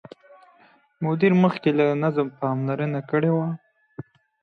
مدیر مخکې د نظم پاملرنه کړې وه.